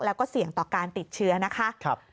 แล้วก็เสี่ยงต่อการติดเชื้อนะคะ